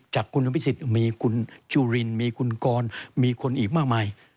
จากคุณอภิษฎมีคุณจุรินมีคุณกรมีคนอีกมากมาย